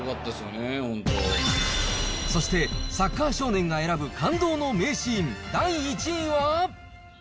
そして、サッカー少年が選ぶ、感動の名シーン、第１位は。